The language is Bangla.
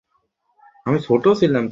স্যাম, না!